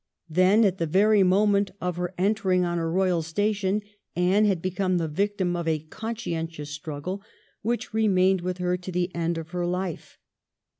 Then, at the very moment of her entering on her royal station, Anne had become the victim of a conscientious struggle which remained with her to the end of her life.